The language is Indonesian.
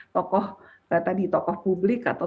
tokoh publik atau